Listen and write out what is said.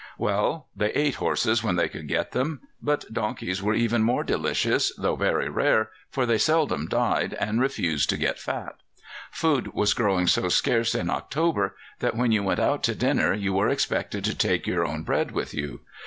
Well, they ate horses, when they could get them; but donkeys were even more delicious, though very rare, for they seldom died, and refused to get fat. Food was growing so scarce in October that when you went out to dinner you were expected to take your own bread with you.